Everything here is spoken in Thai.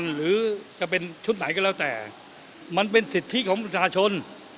หรือจะเป็นชุดไหนก็แล้วแต่มันเป็นสิทธิของประชาชน